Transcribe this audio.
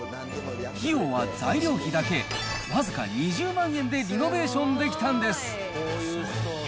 費用は材料費だけ、僅か２０万円でリノベーションできたんです。